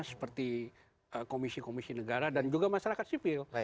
seperti komisi komisi negara dan juga masyarakat sipil